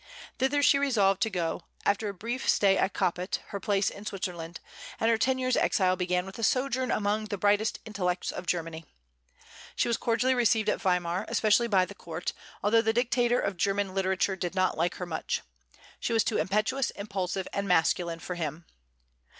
Thither she resolved to go, after a brief stay at Coppet, her place in Switzerland; and her ten years' exile began with a sojourn among the brightest intellects of Germany. She was cordially received at Weimar, especially by the Court, although the dictator of German literature did not like her much. She was too impetuous, impulsive, and masculine for him.